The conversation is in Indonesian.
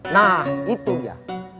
nah itu dia